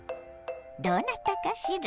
どうなったかしら？